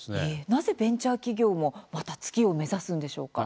なぜベンチャー企業もまた、月を目指すんでしょうか？